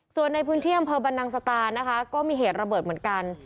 ส่วนในพื้นที่อำเภอบรรนังสตานะคะก็มีเหตุระเบิดเหมือนกัน